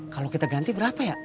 kalau kita ganti berapa ya